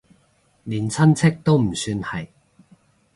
連親戚都唔算係